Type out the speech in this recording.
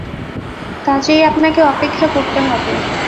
কাজেই আপনাকে অপেক্ষা করতে হবে।